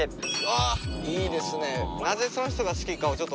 あっいいですね。